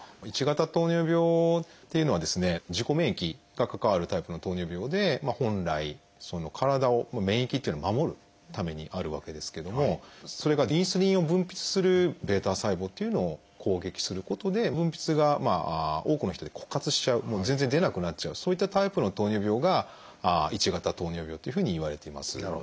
自己免疫が関わるタイプの糖尿病で本来体を免疫っていうのは守るためにあるわけですけどもそれがインスリンを分泌するβ細胞というのを攻撃することで分泌が多くの人で枯渇しちゃう全然出なくなっちゃうそういったタイプの糖尿病が１型糖尿病というふうにいわれています。